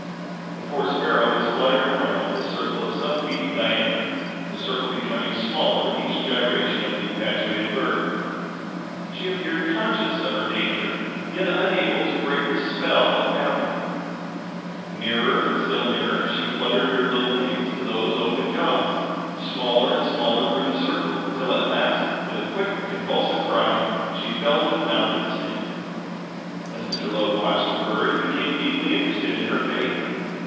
The poor sparrow was fluttering around a circle of some few feet in diameter, the circle becoming smaller at each gyration of the infatuated bird. She appeared conscious of her danger, yet unable to break the spell that bound her. Nearer and still nearer she fluttered her little wings to those open jaws; smaller and smaller grew the circle, till at last, with a quick convulsive cry; she fell into the mouth of the snake. As Mr. Lowe watched the bird he became deeply interested in her fate.